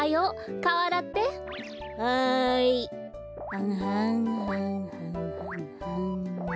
はんはんはんはんはんはん。